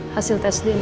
hasil tes dna tersebut